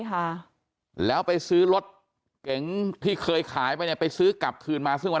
ค่ะแล้วไปซื้อรถเก๋งที่เคยขายไปเนี่ยไปซื้อกลับคืนมาซึ่งวัน